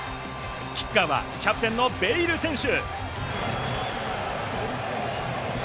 キッカーはキャプテンのベイル選手。